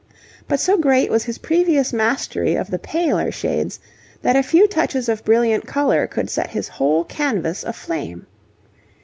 But so great was his previous mastery of the paler shades, that a few touches of brilliant colour could set his whole canvas aflame.